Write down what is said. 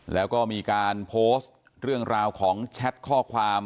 แล้วก็มีการโพสต์เรื่องราวของแชทข้อความ